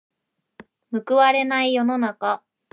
報われない世の中。